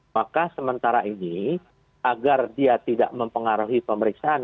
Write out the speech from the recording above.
maka sementara ini agar dia tidak mempengaruhi pemeriksaan